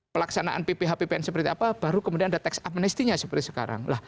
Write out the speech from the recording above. pelaksanaan pph ppn seperti apa baru kemudian ada tax amnesty nya seperti sekarang